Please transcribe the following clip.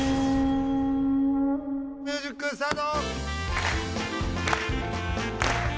ミュージックスタート！